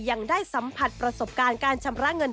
ยังได้สัมผัสประสบการณ์การชำระเงิน